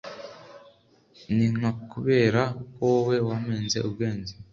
iyi nka kubera ko wowe wampenze ubwenge